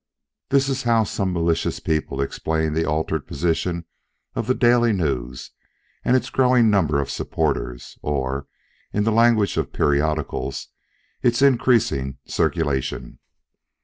This is how some malicious people explain the altered position of the Daily News and its growing number of supporters, or, in the language of periodicals, its increasing circulation.